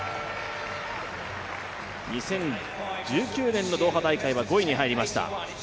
２０１９年のドーハ大会は５位に入りました。